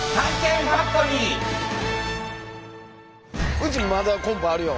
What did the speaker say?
うちまだコンポあるよ。